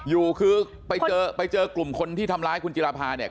อยู่คือไปเจอไปเจอกลุ่มคนที่ทำร้ายคุณจิราภาเนี่ย